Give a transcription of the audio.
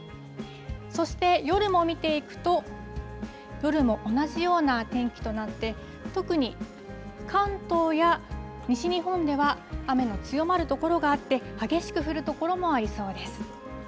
そして夜も見ていくと、夜も同じような天気となって、特に関東や西日本では雨の強まる所があって、激しく降る所もありそうです。